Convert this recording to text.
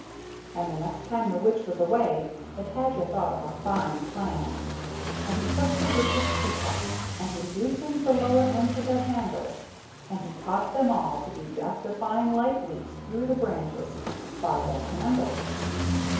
And the next time the Witch was away the Tajer thought of a fine plan, and he took the Witch's tea cups, and he loosened the lower ends of their handles, and he taught them all to do Death defy ing life leaps through the branches, by their handles.